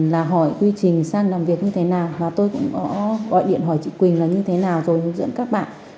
là hỏi quy trình sang làm việc như thế nào và tôi cũng có gọi điện hỏi chị quỳnh là như thế nào rồi hướng dẫn các bạn